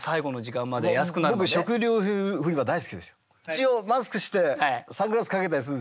一応マスクしてサングラスかけたりするんですよ。